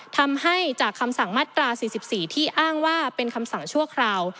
ทำให้จากคำสั่งมาตรา๔๔ที่อ้างว่าเป็นคำสั่งชั่วคราว